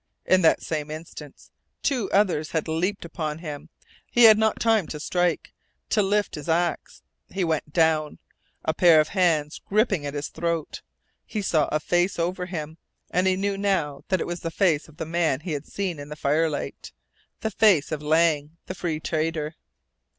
In that same instant two others had leaped upon him. He had not time to strike, to lift his axe. He went down, a pair of hands gripping at his throat. He saw a face over him, and he knew now that it was the face of the man he had seen in the firelight, the face of Lang, the Free Trader.